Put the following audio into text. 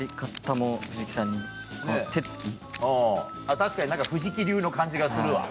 確かに何か藤木流の感じがするわ。